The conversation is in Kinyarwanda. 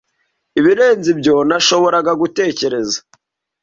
ibirenze ibyo nashoboraga gutekereza.